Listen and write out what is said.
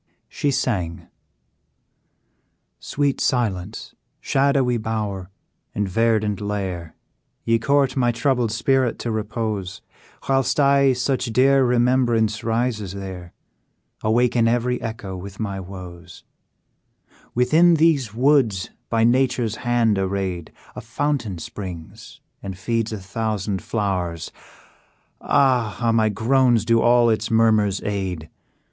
She sang: "Sweet silence, shadowy bower, and verdant lair, Ye court my troubled spirit to repose, Whilst I, such dear remembrance rises there, Awaken every echo with my woes "Within these woods, by nature's hand arrayed, A fountain springs, and feeds a thousand flowers; Ah! how my groans do all its murmurs aid!